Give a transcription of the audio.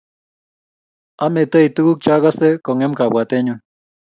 Ametei tuguk chagase kongem kabwatenyu